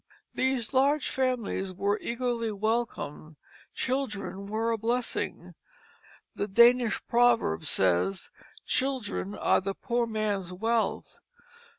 These large families were eagerly welcomed. Children were a blessing. The Danish proverb says, "Children are the poor man's wealth."